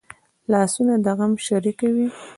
لاسونه د غم شریکه وي